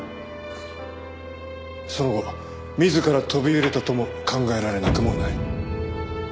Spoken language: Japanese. その後自ら飛び降りたとも考えられなくもない。